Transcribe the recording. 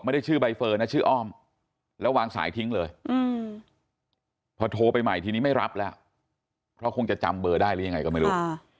ชื่อใบเฟิร์นนะชื่ออ้อมแล้ววางสายทิ้งเลยพอโทรไปใหม่ทีนี้ไม่รับแล้วเพราะคงจะจำเบอร์ได้หรือยังไงก็ไม่รู้